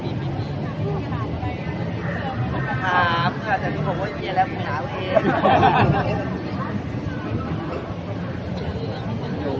ถามแต่ทุกคนบอกว้าเสียแล้วไม่ต้องตามที่เอง